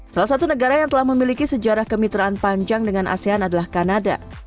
salah satu negara yang telah memiliki sejarah kemitraan panjang dengan asean adalah kanada